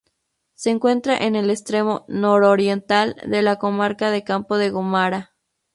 Se encuentra en el extremo nororiental de la Comarca de Campo de Gómara.